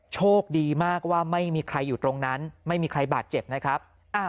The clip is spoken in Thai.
โชคดีมากว่าไม่มีใครอยู่ตรงนั้นไม่มีใครบาดเจ็บนะครับ